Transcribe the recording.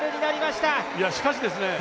しかしですね